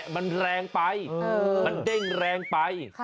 มันแรงไปมันเด้งแรงไป